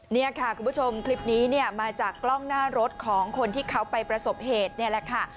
นี่ค่ะคุณผู้ชมคลิปนี้เนี่ยมาจากกล้องหน้ารถของคนที่เขาไปประสบเหตุนี่แหละค่ะ